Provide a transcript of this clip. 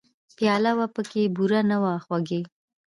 پیاله وه پکې بوره نه وه خوږې !